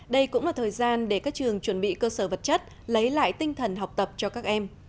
đây cũng là thời gian để các trường chuẩn bị cơ sở vật chất lấy lại tinh thần học tập cho các em